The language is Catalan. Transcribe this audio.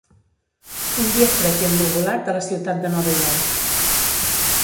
Un dia fred i ennuvolat a la ciutat de Nova York.